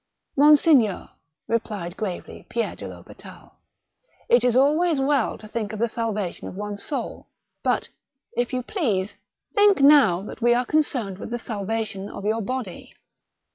" Monseigneur," replied gravely Pierre de THospital: "It is always well to think of the salvation of one's soul; but, if you please, think now that we are con cerned with the salvation of your body."